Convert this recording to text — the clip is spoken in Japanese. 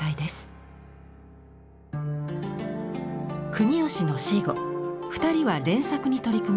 国芳の死後２人は連作に取り組みます。